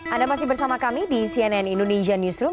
anda masih bersama kami di cnn indonesia newsroom